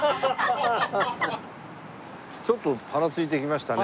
ちょっとパラついてきましたね。